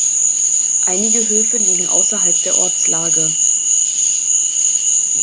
Einige Höfe liegen außerhalb der Ortslage.